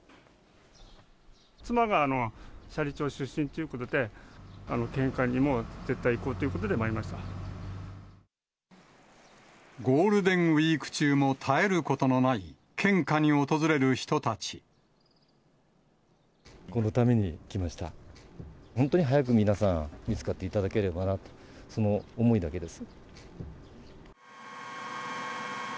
妻が斜里町出身ということで、献花にも絶対行こうということで、ゴールデンウィーク中も絶え本当に早く皆さん、見つかっていただければなと、その思いだけです。